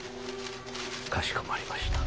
かしこまりました。